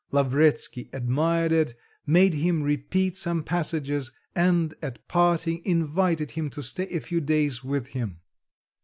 Lavretsky admired it, made him repeat some passages, and at parting, invited him to stay a few days with him.